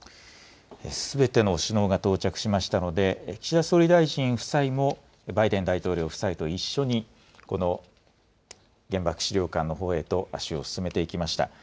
すべての首脳が到着しましたので、岸田総理大臣夫妻もバイデン大統領夫妻と一緒に、この原爆資料館のほうへと足を進めていきました。